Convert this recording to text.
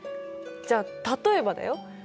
じゃあ例えばだよ